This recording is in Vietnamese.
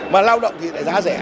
mà lao động thì lại giá rẻ